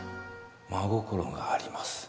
真心があります